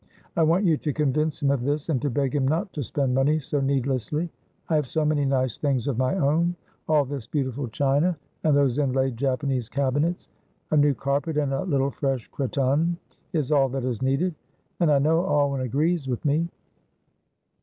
I want you to convince him of this, and to beg him not to spend money so needlessly. I have so many nice things of my own; all this beautiful china and those inlaid Japanese cabinets. A new carpet and a little fresh cretonne is all that is needed. And I know Alwyn agrees with me."